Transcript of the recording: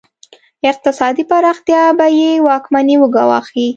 اقتصادي پراختیا به یې واکمني وګواښي.